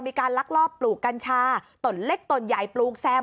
ลักลอบปลูกกัญชาตนเล็กตนใหญ่ปลูกแซม